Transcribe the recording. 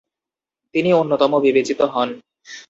তিনি অন্যতম বিবেচিত হন।